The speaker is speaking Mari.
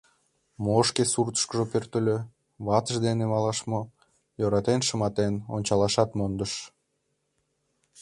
Мо шке суртышкыжо пӧртыльӧ — ватыж дене малаш мо, йӧратен-шыматен ончалашат мондыш...